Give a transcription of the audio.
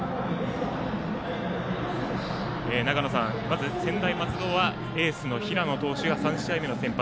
長野さん、まず専大松戸はエースの平野投手が３試合目の先発。